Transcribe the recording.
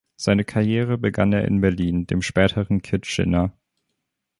Seine Karriere begann er in Berlin, dem späteren Kitchener.